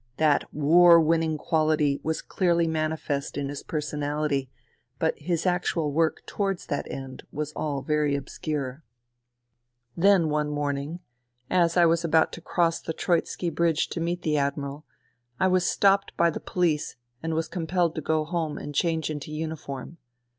That war winning quality was clearly manifest in his person ality, but his actual work towards that end was all very obscure. ... Then one morning, as I was about to cross the Troitski Bridge to meet the Admiral, I was stopped by the police and was compelled to go home and change into uniform.